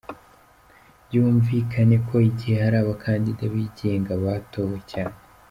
Byumvikane ko igihe hari abakandida bigenga batowe cyane